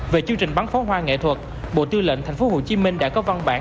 về chương trình bắn pháo hoa nghệ thuật bộ tư lệnh tp hcm đã có văn bản